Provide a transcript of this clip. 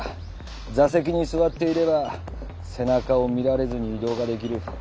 座席に座っていれば背中を見られずに移動ができる。